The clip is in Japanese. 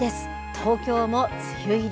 東京も梅雨入り。